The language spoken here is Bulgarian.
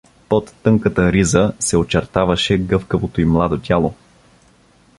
Под тънката риза се очертаваше гъвкавото й младо тяло.